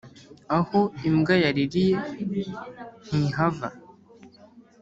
Aho imbwa yaririye ntihava.